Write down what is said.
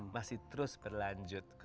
masih terus berlanjut